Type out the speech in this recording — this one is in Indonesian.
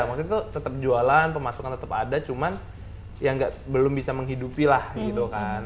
maksudnya tuh tetap jualan pemasukan tetap ada cuman ya belum bisa menghidupi lah gitu kan